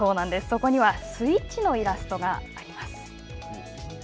そこにはスイッチのイラストがあります。